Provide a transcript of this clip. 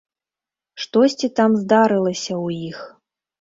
Штосьці там здарылася ў іх.